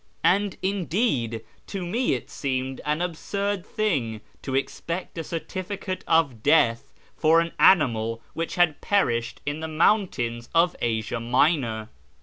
And, indeed, to me it seemed an absurd thing to expect a certificate of deatli for an animal which had perished in the mountains of Asia Minor.